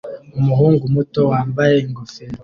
Umuhungu muto wambaye ingofero